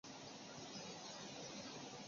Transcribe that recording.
谢玄亦十分同意。